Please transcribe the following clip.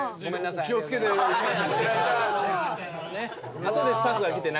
気をつけて。